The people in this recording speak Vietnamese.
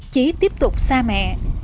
chí tiếp tục xa mẹ